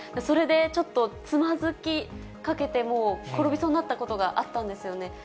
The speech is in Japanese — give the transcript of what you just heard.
それでちょっと、つまずきかけて、もう転びそうになったことがあったんですよね。